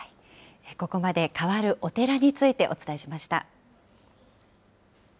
ここまで、変わるお寺についてお伝えしました。